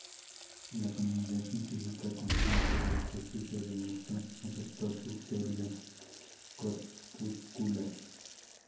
La comunidad científica, consciente del prestigio de Newton, aceptó su teoría corpuscular.